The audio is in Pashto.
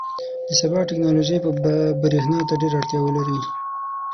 • د سبا ټیکنالوژي به برېښنا ته ډېره اړتیا ولري.